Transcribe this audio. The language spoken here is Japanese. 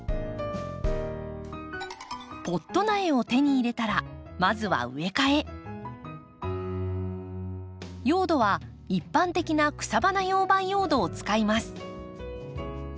ポット苗を手に入れたらまずは用土は一般的な草花用培養土を使います。